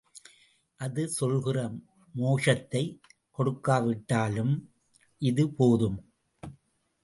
அது சொல்லுகிற மோஷத்தைக் கொடுக்காவிட்டாலும் இது போதும்.